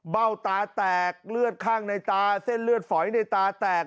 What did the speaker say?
เบ้าตาแตกเลือดข้างในตาเส้นเลือดฝอยในตาแตก